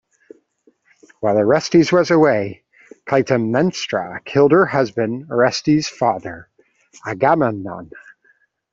While Orestes was away, Clytemnestra killed her husband, Orestes' father Agamemnon.